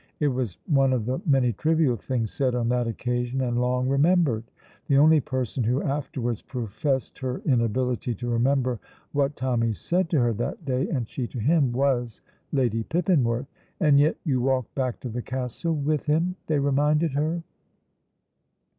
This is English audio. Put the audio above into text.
It was one of the many trivial things said on that occasion and long remembered; the only person who afterwards professed her inability to remember what Tommy said to her that day, and she to him, was Lady Pippinworth. "And yet you walked back to the castle with him," they reminded her.